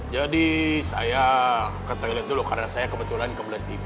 jadi saya ke toilet dulu karena saya kebetulan kebelet belet gitu